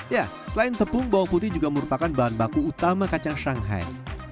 ya selain tepung bawang putih juga merupakan bahan baku utama kacang shanghai